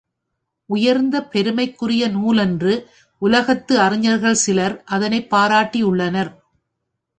உயர்ந்த பெருமைக்குரிய நூலென்று உலகத்து அறிஞர்கள் சிலர் அதனைப் பாராட்டியுள்ளனர்.